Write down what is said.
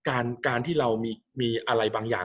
กับการสตรีมเมอร์หรือการทำอะไรอย่างเงี้ย